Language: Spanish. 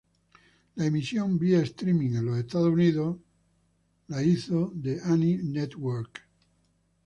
La emisión vía streaming en Estados Unidos, la hizo The Anime Network.